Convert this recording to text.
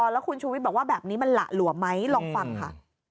แล้วคุณชูวิทย์บอกว่าแบบนี้มันหละหลวมไหมลองฟังค่ะ